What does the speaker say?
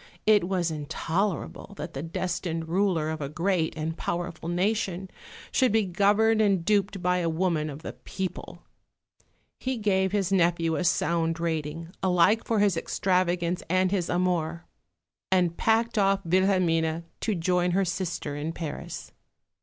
It was intolerable that the destined ruler of a great and powerful nation should be governed and duped by a woman of the people. He gave his nephew a sound rating alike for his extravagance and his amour; and packed off Wilhelmine to join her sister in Paris.